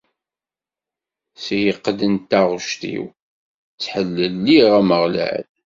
S lqedd n taɣect-iw, ttḥellileɣ Ameɣlal.